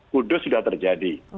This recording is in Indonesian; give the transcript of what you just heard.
kudus sudah terjadi